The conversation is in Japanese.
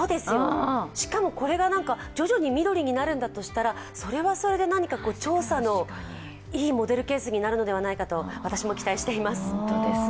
しかもこれが徐々に緑になるんだとしたらそれはそれで調査のいいモデルケースになるのではないかと私も期待しています。